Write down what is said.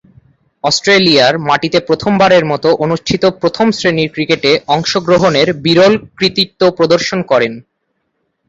অস্ট্রেলিয়ার মাটিতে প্রথমবারের মতো অনুষ্ঠিত প্রথম-শ্রেণীর ক্রিকেটে অংশগ্রহণের বিরল কৃতিত্ব প্রদর্শন করেন।